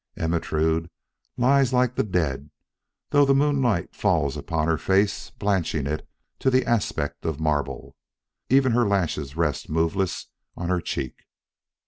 Ermentrude lies like the dead, though the moonlight falls full upon her face blanching it to the aspect of marble. Even her lashes rest moveless on her cheek.